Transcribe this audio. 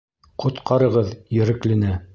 Ҡотҡарығыҙ Ереклене!